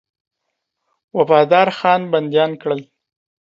وفادارخان بنديان کړل.